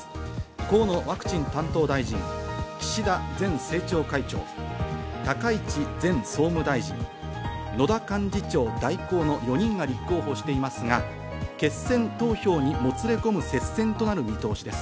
河野ワクチン担当大臣、岸田前政調会長、高市前総務大臣、野田幹事長代行の４人が立候補していますが、決選投票にもつれ込む接戦となる見通しです。